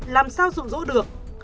làm sao rụ rỗ được